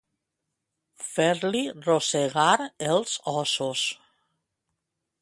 Fer-li rosegar els ossos.